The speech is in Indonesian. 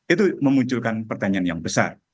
itu memunculkan pertanyaan yang besar